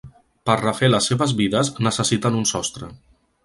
Per refer les seves vides necessiten un sostre.